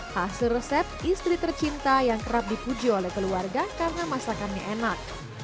hasil resep istri tercinta yang kerap dipuji oleh keluarga karena masakannya enak